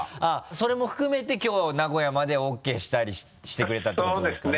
それも含めてきょう名古屋までＯＫしたりしてくれたってことですかね？